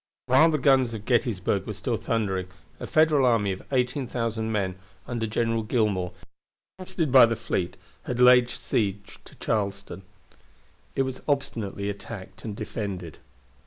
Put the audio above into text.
While the guns of Gettysburg were still thundering, a Federal army of 18,000 men under General Gillmore, assisted by the fleet, had laid siege to Charleston. It was obstinately attacked and defended.